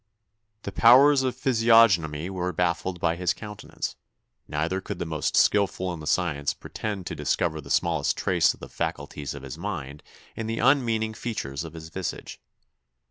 The powers of physiognomy were baffled by his countenance; neither could the most skilful in the science pretend to discover the smallest trace of the faculties of his mind in the unmeaning features of his visage.